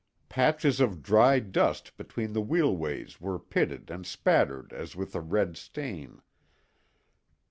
Patches of dry dust between the wheelways were pitted and spattered as with a red rain.